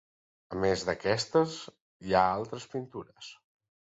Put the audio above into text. A més d'aquestes, hi ha altres pintures.